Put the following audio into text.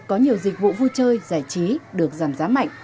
có nhiều dịch vụ vui chơi giải trí được giảm giá mạnh